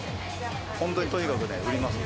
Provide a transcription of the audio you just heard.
本当にとにかく売りますよ。